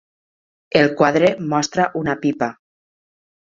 El quadre mostra una pipa.